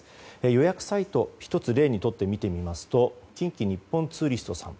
予約サイト１つ例にとって見てみますと近畿日本ツーリストさん。